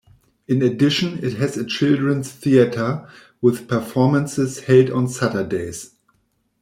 In addition, it has a children's theater with performances held on Saturdays.